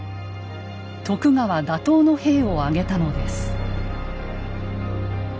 徳川打倒の兵を挙げたのです。